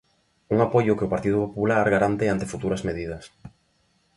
Un apoio que o Partido Popular garante ante futuras medidas.